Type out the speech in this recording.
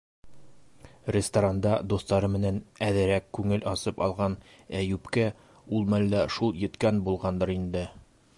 Ресторанда дуҫтары менән әҙерәк күңел асып алған Әйүпкә ул мәлдә шул еткән булғандыр инде...